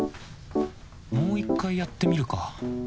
もう一回やってみるか